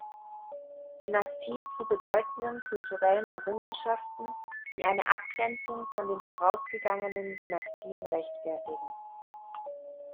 Dynastie zu bedeutenden kulturellen Errungenschaften, die eine Abgrenzung von den vorausgegangenen Dynastien rechtfertigen.